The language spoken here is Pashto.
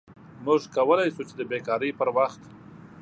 موږ کولی شو چې د بیکارۍ پر وخت